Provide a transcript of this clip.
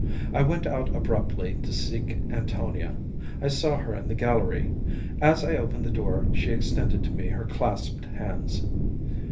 I went out abruptly to seek Antonia. I saw her in the gallery. As I opened the door, she extended to me her clasped hands.